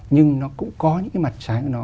nhưng nó cũng có những cái mặt trái của nó